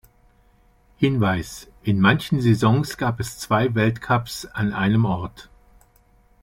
Hinweis: In manchen Saisons gab es zwei Weltcups an einem Ort.